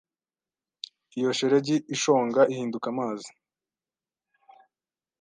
Iyo shelegi ishonga, ihinduka amazi.